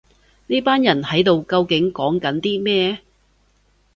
呢班人喺度究竟講緊啲咩